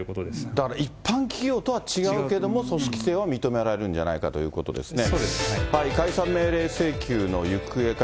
だから一般企業とは違うけども、組織性は認められるんじゃないかということですね。